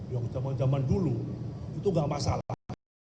yang zaman zaman dulu itu nggak masalah